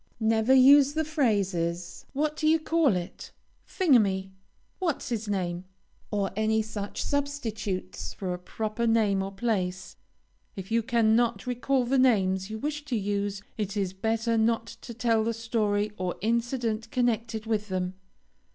Never use the phrases, "What d ye call it," "Thingummy," "What's his name," or any such substitutes for a proper name or place. If you cannot recall the names you wish to use, it is better not to tell the story or incident connected with them.